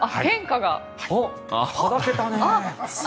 はだけたね。